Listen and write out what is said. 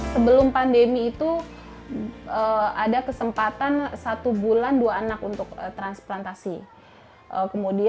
sebelum pandemi itu